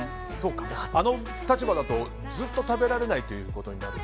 あの立場だと、ずっと食べられないということになる。